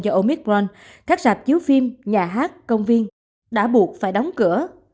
do omikron các rạp chiếu phim nhà hát công viên đã buộc phải đóng cửa